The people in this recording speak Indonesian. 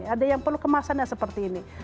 ada yang perlu kemasannya seperti ini